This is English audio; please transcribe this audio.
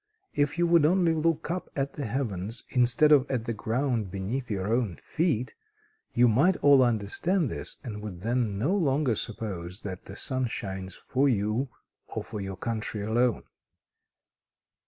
If you would only look up at the heavens, instead of at the ground beneath your own feet, you might all understand this, and would then no longer suppose that the sun shines for you, or for your country alone."